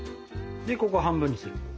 でここ半分にすれば。